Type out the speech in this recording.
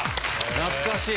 懐かしい！